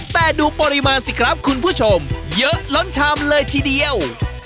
แต่ดูปริมาณสิครับคุณผู้ชมเยอะล้นชามเลยทีเดียว